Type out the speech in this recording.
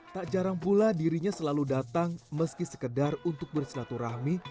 tak jarang pula dirinya selalu datang meski sekedar untuk bersilaturahmi